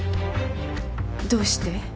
どうして？